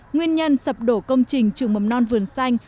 nguyên nhân sập đổ công trình trường mầm non vườn xanh